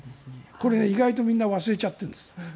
これ、意外とみんな忘れちゃってるんです。